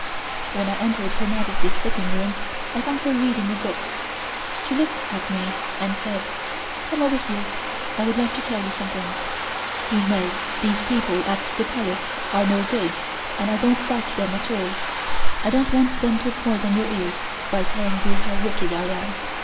When I entered Her Majesty's sitting room I found her reading a book. She looked at me and said: "Come over here, I would like to tell you something. You know these people at the Palace are no good and I don't like them at all. I don't want them to poison your ears by telling you how wicked I am.